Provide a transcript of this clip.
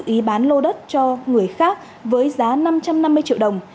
ý bán lô đất cho người khác với giá năm trăm năm mươi triệu đồng